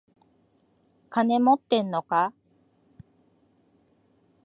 金持ってんのか？